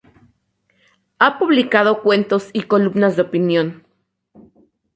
Ha publicado cuentos y columnas de opinión.